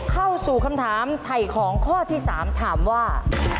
เข้าสู่คำถามไถ่ของข้อที่๓ถามว่า